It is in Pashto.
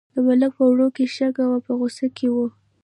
د ملک په وړو کې شګه وه په غوسه کې و.